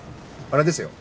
あれですよ。